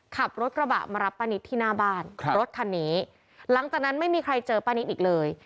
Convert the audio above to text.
ขับรถกระบะมารับป้านิตที่หน้าบ้านครับรถคันนี้หลังจากนั้นไม่มีใครเจอป้านิตอีกเลย